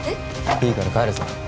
いいから帰るぞえ